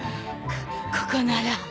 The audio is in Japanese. こっここなら。